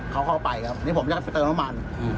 เขาเข้าไปครับนี่ผมอยากไปเติมน้ำมัน